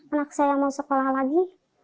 anak saya yang mau sekolah lagi